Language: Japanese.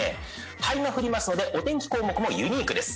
灰が降りますのでお天気項目もユニークです